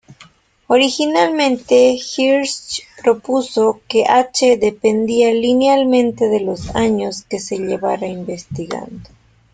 Originalmente, Hirsch propuso que h dependía linealmente de los años que se llevara investigando.